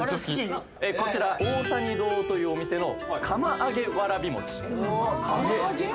こちら大谷堂というお店の釜あげわらび餅・釜あげ？